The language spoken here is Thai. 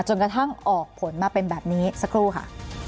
จนกระทั่งออกผลมาเป็นแบบนี้สักครู่ค่ะ